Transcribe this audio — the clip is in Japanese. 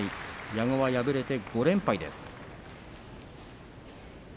矢後は敗れて５連敗です。